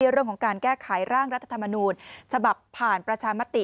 เรื่องของการแก้ไขร่างรัฐธรรมนูญฉบับผ่านประชามติ